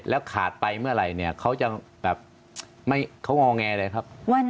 แล้วขาดไปเมื่อไหร่เนี่ยเขาจะแบบเขางอแงเลยครับ